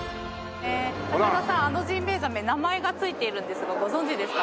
高田さんあのジンベイザメ名前がついているんですがご存じですか？